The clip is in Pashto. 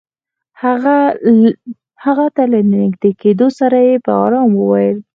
هغې ته له نژدې کېدو سره يې په آرامه وويل.